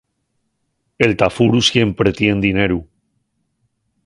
El tafuru siempre tien dineru.